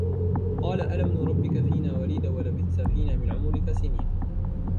قَالَ أَلَمْ نُرَبِّكَ فِينَا وَلِيدًا وَلَبِثْتَ فِينَا مِنْ عُمُرِكَ سِنِينَ